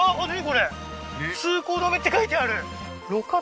これ通行止めって書いてある路肩